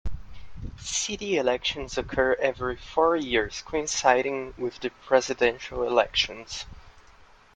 City elections occur every four years, coinciding with the presidential elections.